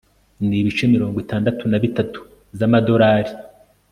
n ibice mirongo itandatu na bitatu z Amadolari